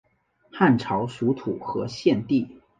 汉朝属徒河县地。